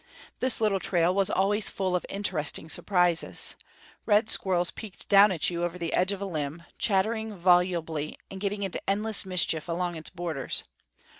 This little trail was always full of interesting surprises. Red squirrels peeked down at you over the edge of a limb, chattering volubly and getting into endless mischief along its borders.